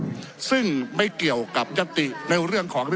ขอประท้วงครับขอประท้วงครับขอประท้วงครับขอประท้วงครับ